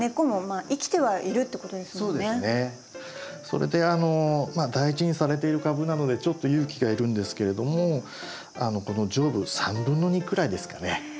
それで大事にされている株なのでちょっと勇気がいるんですけれどもこの上部2/3くらいですかね。